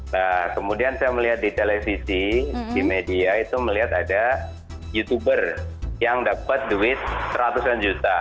nah kemudian saya melihat di televisi di media itu melihat ada youtuber yang dapat duit seratusan juta